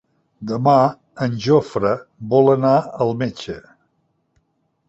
Demà en Jofre vol anar al metge.